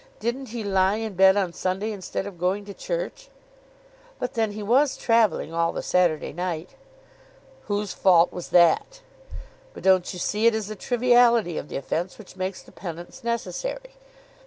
Didn't he lie in bed on Sunday instead of going to church?" "But then he was travelling all the Saturday night." "Whose fault was that? But don't you see it is the triviality of the offence which makes the penance necessary.